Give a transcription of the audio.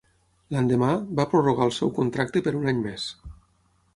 L'endemà, va prorrogar el seu contracte per un any més.